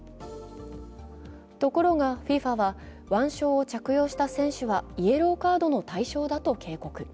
ところが、ＦＩＦＡは腕章を着用した選手はイエローカードの対象だと警告。